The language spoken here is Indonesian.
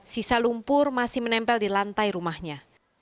sisa lumpur masih menempel di lantai rumahnya